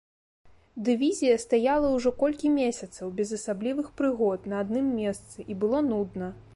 Дывізія стаяла ўжо колькі месяцаў, без асаблівых прыгод, на адным месцы, і было нудна.